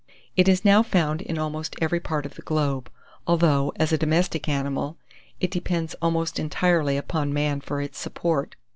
It is now found in almost every part of the globe, although, as a domestic animal, it depends almost entirely upon man for its support.